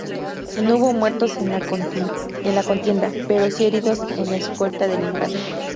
No hubo muertos en la contienda, pero si heridos en la escolta del infante.